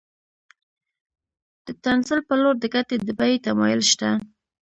د تنزل په لور د ګټې د بیې تمایل شته